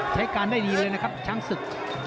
ใช้การได้ดีเลยนะครับช้างศึก